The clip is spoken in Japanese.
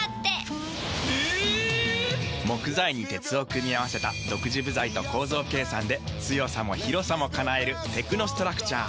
木材に鉄を組み合わせた独自部材と構造計算で強さも広さも叶えるテクノストラクチャー。